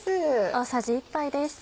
大さじ１杯です。